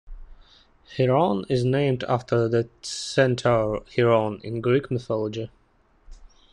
Chiron is named after the centaur Chiron in Greek mythology.